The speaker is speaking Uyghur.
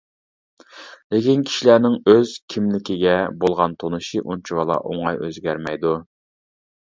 لېكىن كىشىلەرنىڭ ئۆز كىملىكىگە بولغان تونۇشى ئۇنچىۋالا ئوڭاي ئۆزگەرمەيدۇ.